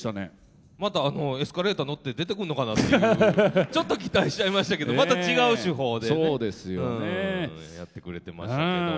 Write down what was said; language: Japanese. また、エスカレーター乗って出てくるのかなってちょっと期待しちゃいましたけどまた違う手法でやってくれてました。